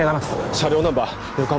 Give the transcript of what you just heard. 車両ナンバー「横浜」